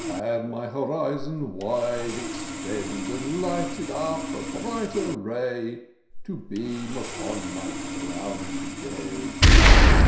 Bade my horizon wide extend, And lighted up a brighter ray, To beam upon my clouded day.